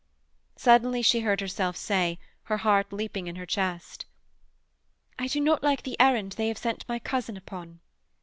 Suddenly she heard herself say, her heart leaping in her chest: 'I do not like the errand they have sent my cousin upon.'